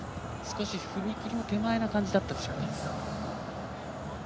踏み切りも手前な感じだったでしょうか。